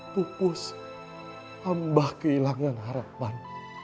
tukus amba kehilangan harapan